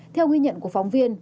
theo ghi nhận của phóng viên